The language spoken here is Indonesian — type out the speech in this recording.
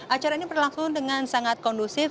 acara ini berlangsung dengan sangat kondusif